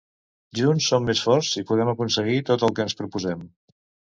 Junts som més forts i podem aconseguir tot el que ens proposem.